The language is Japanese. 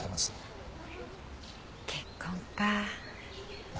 結婚かぁ。